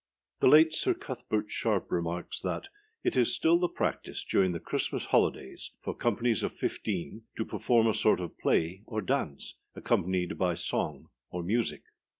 [THE late Sir Cuthbert Sharp remarks, that âIt is still the practice during the Christmas holidays for companies of fifteen to perform a sort of play or dance, accompanied by song or music.